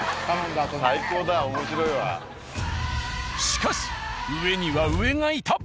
しかし上には上がいた。